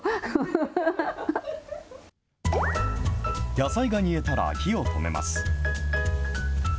野菜が煮えたら火を止めます。